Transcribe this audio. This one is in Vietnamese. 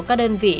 các đơn vị